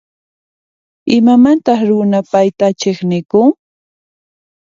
Imamantas runa payta chiqnikun?